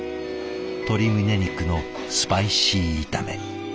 鶏胸肉のスパイシー炒め。